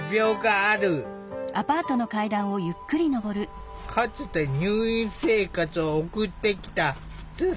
かつて入院生活を送ってきた津坂さん。